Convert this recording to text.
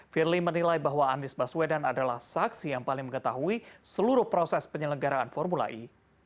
firly menilai bahwa anies baswedan adalah saksi yang paling mengetahui seluruh proses penyelenggaraan formula e